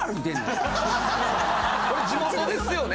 これ地元ですよね？